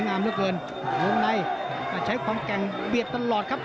งามเหลือเกินวงในใช้ความแกร่งเบียดตลอดครับ